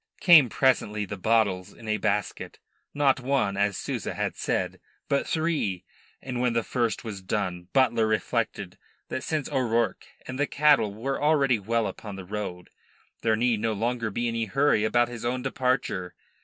Came presently the bottles in a basket not one, as Souza had said, but three; and when the first was done Butler reflected that since O'Rourke and the cattle were already well upon the road there need no longer be any hurry about his own departure.